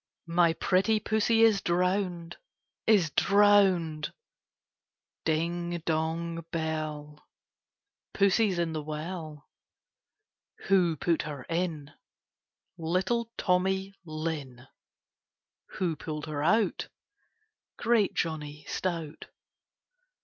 My pretty pussy is drowned, is drowned! Ding, dong, bell ! Pussy 's in the well. Who put her in ? Little Tommy Lin. Who pulled her out ? Great Johnny Stout.